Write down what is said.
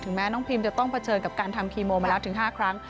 แม้น้องพิมจะต้องเผชิญกับการทำคีโมมาแล้วถึง๕ครั้ง